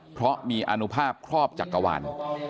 เพราะมีอนุภาพครอบจักรวาล